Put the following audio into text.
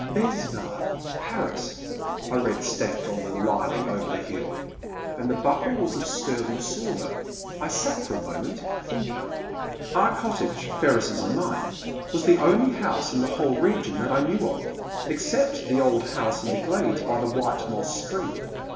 Besnard — Paris/* I read stamped on the lin ing over the heel. And the buckle was of ster ling silver. I sat for a moment, thinking. Our cottage, Ferris'sand mine, was the only house in the whole region that I knew of, except the old house in the glade by the White Moss Spring.